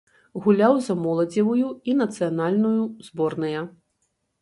Гуляў за моладзевую і нацыянальную зборныя.